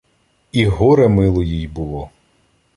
І горе мило їй було.